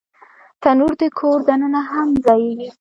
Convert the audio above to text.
تنور د کور دننه هم ځایېږي